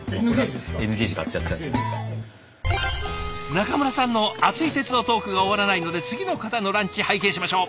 中村さんの熱い鉄道トークが終わらないので次の方のランチ拝見しましょう。